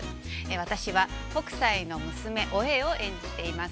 私は、北斎の娘・お栄を演じております。